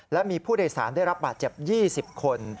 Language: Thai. และมีผู้โดยสารได้รับบาดเจ็บ๒๐คน